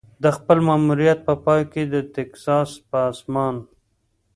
د خپل ماموریت په پای کې د ټیکساس په اسمان.